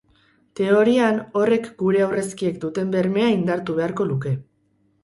Teorian, horrek gure aurrezkiek duten bermea indartu beharko luke.